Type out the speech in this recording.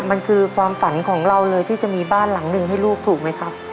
มันคือความฝันของเราเลยที่จะมีบ้านหลังหนึ่งให้ลูกถูกไหมครับ